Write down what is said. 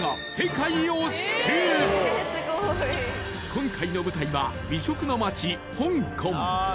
今回の舞台は美食の街、香港。